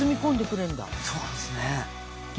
そうなんですね。